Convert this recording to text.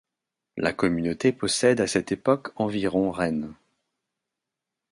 La communauté possède à cette époque environ rennes.